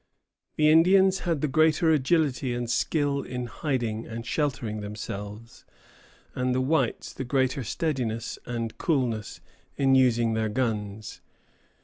The Indians had the greater agility and skill in hiding and sheltering themselves, and the whites the greater steadiness and coolness in using their guns.